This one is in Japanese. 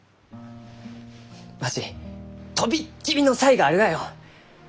わし飛びっ切りの才があるがよ！